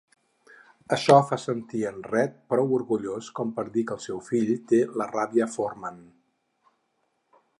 Això fa sentir en Red prou orgullós com per dir que el seu fill té la "ràbia Forman".